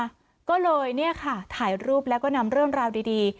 นี่น่ะก็เลยนี่ค่ะถ่ายรูปแล้วก็นำเริ่มราวดี